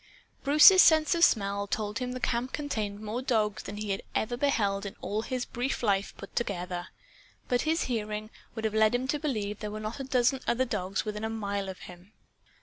Bruce's sense of smell told him the camp contained more dogs than ever he had beheld in all his brief life put together. But his hearing would have led him to believe there were not a dozen other dogs within a mile of him.